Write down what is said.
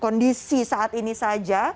kondisi di dalam ibu kota